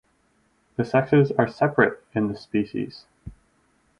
The sexes are separate in this species.